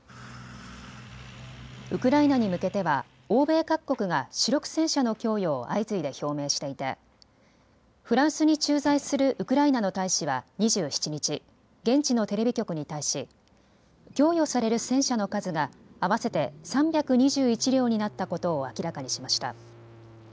ウクライナに向けては欧米各国が主力戦車の供与を相次いで表明していてフランスに駐在するウクライナの大使は２７日、現地のテレビ局に対し供与される戦車の数が合わせて３２１両になったことを明らかにしました。